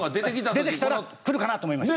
出てきたらくるかな？と思いました。